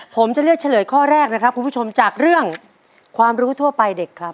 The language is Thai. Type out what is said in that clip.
ผมจะเลือกเฉลยข้อแรกนะครับคุณผู้ชมจากเรื่องความรู้ทั่วไปเด็กครับ